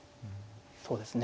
そうですね。